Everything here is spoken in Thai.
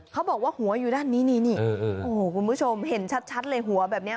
เขาบอกว่าหัวอยู่ด้านนี้นี่โอ้โหคุณผู้ชมเห็นชัดเลยหัวแบบนี้